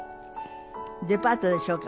デパートでしょうか。